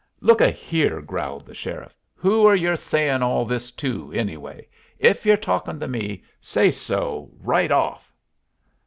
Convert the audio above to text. "Look a here," growled the sheriff, "who are yer sayin' all this to anyway? If yer talkin' to me, say so right off."